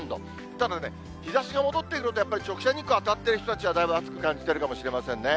ただね、日ざしが戻ってくるとやっぱり直射日光当たってる人は、だいぶ暑く感じてるかもしれませんね。